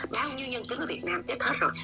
bao nhiêu nhân tính ở việt nam chết hết rồi